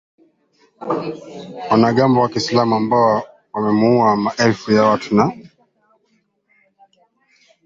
wanamgambo wa kiislamu ambao wameua maelfu ya watu na